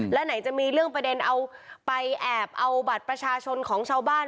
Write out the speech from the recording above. แล้วไหนจะมีเรื่องประเด็นเอาไปแอบเอาบัตรประชาชนของชาวบ้าน